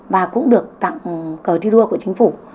và cũng được tặng cờ thi đua của chính phủ